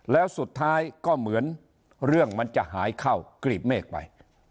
แล้วสุดท้ายก็เหมือนเรื่องมันจะหายเข้ากรีบเมฆไป